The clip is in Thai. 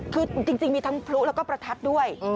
คือจริงมีทั้งพลุแล้วก็ประทัดด้วย